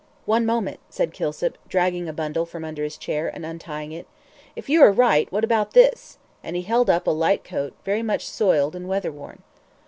"One moment," said Kilsip, dragging a bundle from under his chair, and untying it. "If you are right, what about this?" and he held up a light coat, very much soiled and weather worn.